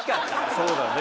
そうだね。